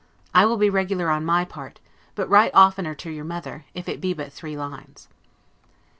I will be regular on my part: but write oftener to your mother, if it be but three lines.